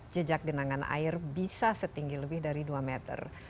jejak genangan air bisa setinggi lebih dari dua meter